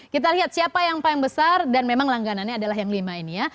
kita lihat siapa yang paling besar dan memang langganannya adalah yang lima ini ya